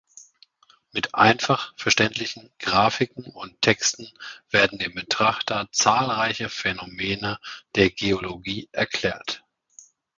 Mit einfach verständlichen Grafiken und Texten werden dem Betrachter zahlreiche Phänomene der Geologie erklärt.